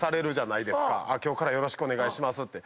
「今日からよろしくお願いします」って。